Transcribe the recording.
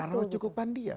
karena allah cukupkan dia